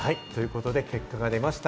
結果が出ました。